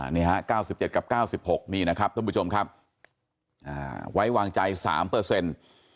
นี่ฮะ๙๗กับ๙๖นี่นะครับท่านผู้ชมครับไว้วางใจ๓เปอร์เซ็นต์